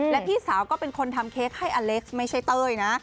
และพี่สาวก็เป็นคนทำเค้กให้อเล็กซ์ไม่ใช่เต้ยนะ